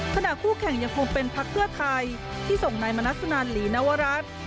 ขณะคู่แข่งยังคงเป็นพักเพื่อไทยที่ส่งนายมณสุนันหลีนวรัฐ